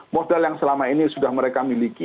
modal yang selama ini sudah mereka miliki